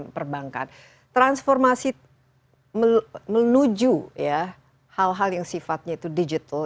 perbankan transformasi menuju ya hal hal yang sifatnya itu digital